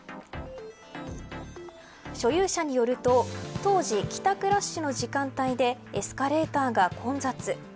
所有者によると当時、帰宅ラッシュの時間帯でエスカレーターが混雑。